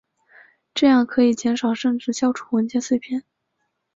这样可以减少甚至消除文件碎片。